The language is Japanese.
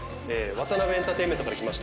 ワタナベエンターテインメントから来ました